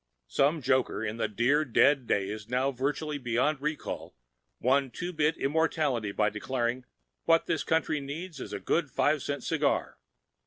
Some joker in the dear, dead days now virtually beyond recall won two bit immortality by declaring that, "What this country needs is a good five cent cigar."